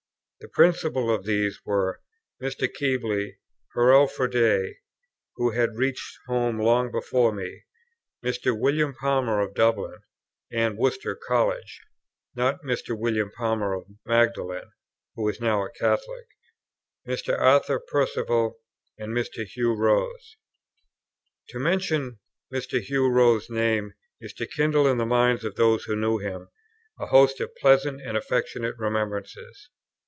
The principal of these were Mr. Keble, Hurrell Froude, who had reached home long before me, Mr. William Palmer of Dublin and Worcester College (not Mr. William Palmer of Magdalen, who is now a Catholic), Mr. Arthur Perceval, and Mr. Hugh Rose. To mention Mr. Hugh Rose's name is to kindle in the minds of those who knew him a host of pleasant and affectionate remembrances.